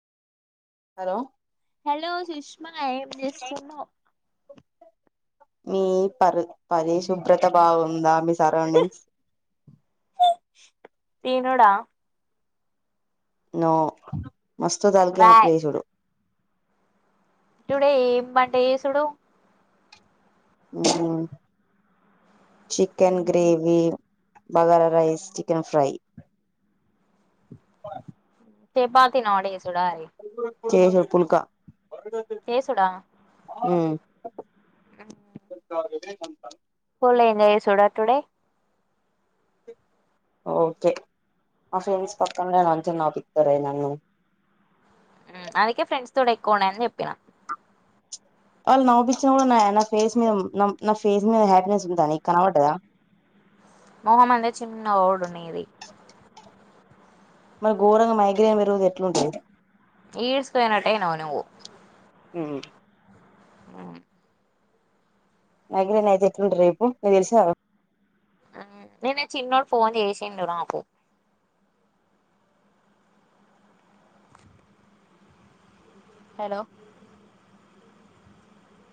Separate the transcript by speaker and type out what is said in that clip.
Speaker 1: Hello
Speaker 2: hello Sushma ఏం చేస్తున్నావ్
Speaker 1: మీ పరి పరిశుభ్రత బాగుందా మీ సరౌండింగ్స్
Speaker 2: తినుడా
Speaker 1: నో మస్తు తలకాయ నొప్పి
Speaker 2: వాయ్
Speaker 1: చేసుడు
Speaker 2: టుడే ఏం వంట చేసుడు
Speaker 1: ఆ చికెన్
Speaker 2: మ్మ్.
Speaker 1: Gravy bagara rice chicken fry ఆ [unintelligible]
Speaker 2: చపాతి నోడి డాలి [unintelligible]
Speaker 1: చేశా పుల్క
Speaker 2: చేసుడా
Speaker 1: ఆ
Speaker 2: ఆ పోలే ఎంజయ్సుడా టుడే
Speaker 1: ఓకే ఆ ఫ్రెండ్స్ పక్కన్ [unintelligible] నన్ను
Speaker 2: హ్మ్ అందుకే ఫ్రెండ్స్ తోడ్ ఎక్కువ ఉండని చెప్పినా.
Speaker 1: వాళ్ళు నౌపించిన కూడా నా నా ఫేస్ మీద నా నా ఫేస్ మీద హ్యాపీనెస్ ఉంద నీ కనవ్వడ్డదా.
Speaker 2: మొహమన్టె చిన్న ఓర్డ్ నీది
Speaker 1: మరి ఘోరంగ మైగ్రైన్ పెరుగ్దే ఎట్లుంటది.
Speaker 2: ఈడుస్కుపోయినట్టేనావ్ నువ్వు
Speaker 1: మ్మ్
Speaker 2: మ్మ్.
Speaker 1: మైగ్రేన్ అయితే ఎట్లుంటారు చెప్పు. నీకు తెలుసాగా
Speaker 2: ఆహ్ నిన్న చిన్నోడు ఫోన్ చేసిండ్ నాకు. హలో